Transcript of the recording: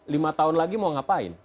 lima tahun lagi mau ngapain